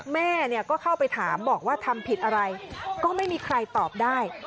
แม่ก็เข้าไปถามบอกว่าทำผิดอะไรก็ไม่มีใครตอบได้